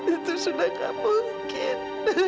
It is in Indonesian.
itu sudah nggak mungkin